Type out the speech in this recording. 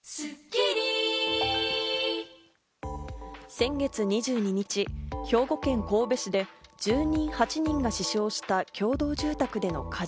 先月２２日、兵庫県神戸市で住人８人が死傷した共同住宅での火事。